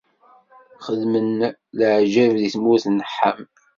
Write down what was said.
Xedmen leɛǧayeb di tmurt n Ḥam.